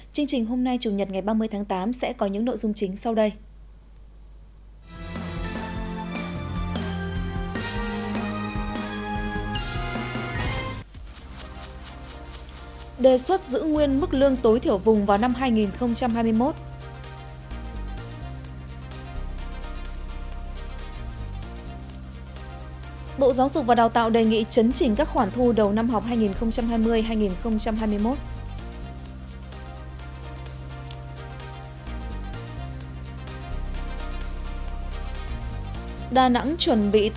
chương trình hôm nay chủ nhật ngày ba mươi tháng tám sẽ có những nội dung chính sau đây